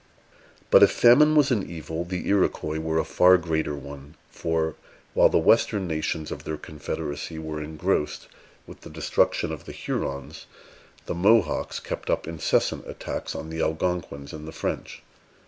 But, if famine was an evil, the Iroquois were a far greater one; for, while the western nations of their confederacy were engrossed with the destruction of the Hurons, the Mohawks kept up incessant attacks on the Algonquins and the French.